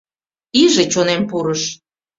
Иже чонем пурыш.